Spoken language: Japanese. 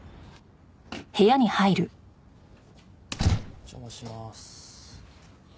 お邪魔します。